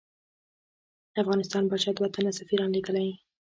د افغانستان پاچا دوه تنه سفیران لېږلی دي.